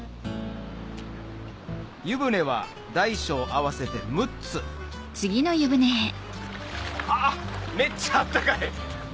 湯船は大小合わせて６つあっめっちゃあったかい。